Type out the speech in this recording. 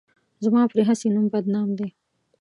زما پرې هسې نوم بدنام دی.